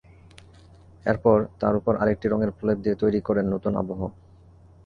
এরপর তার ওপর আরেকটি রঙের প্রলেপ দিয়ে তৈরি করেন নতুন আবহ।